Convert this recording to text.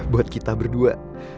buat kita berdua